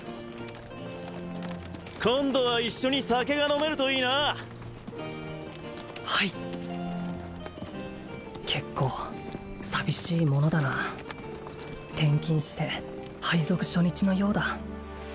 今度は一緒に酒が飲めるといいなはい結構寂しいものだなあ転勤して配属初日のようだ